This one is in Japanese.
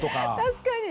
確かに！